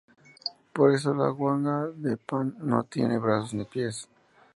Por eso la guagua de pan no tiene brazos ni pies.